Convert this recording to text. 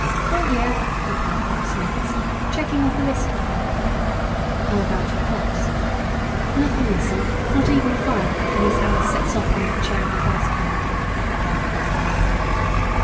"All here," replied Pop Snooks, checking off a list he held. "How about your props?" "Nothing missing, not even the firecracker Miss Alice sets off under the chair of the false count," replied the property man.